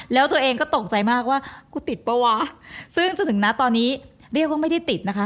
แล้วตัวเองก็ตกใจมากว่ากูติดป่ะวะซึ่งจนถึงนะตอนนี้เรียกว่าไม่ได้ติดนะคะ